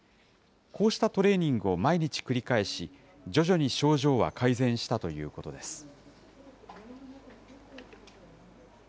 こうしたトレーニング毎日繰り返し、徐々に症状は改善したということです。